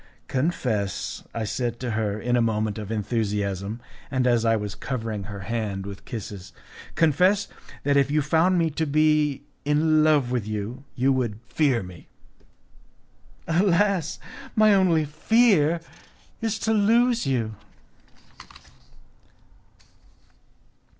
"Confess," I said to her, in a moment of enthusiasm, and as I was covering her hand with kisses, "confess that if you found me to be in love with you you would fear me." "Alas! my only fear is to lose you."